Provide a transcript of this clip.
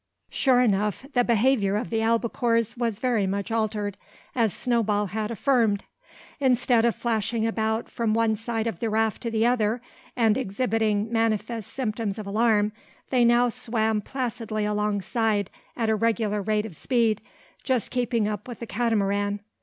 Sure enough the behaviour of the albacores was very much altered, as Snowball had affirmed. Instead of flashing about from one side of the raft to the other, and exhibiting manifest symptoms of alarm, they now swam placidly alongside, at a regular rate of speed, just keeping up with the Catamaran.